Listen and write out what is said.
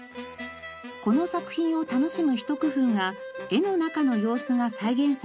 この作品を楽しむひと工夫が絵の中の様子が再現された部屋。